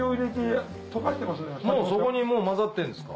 もうそこに混ざってるんですか？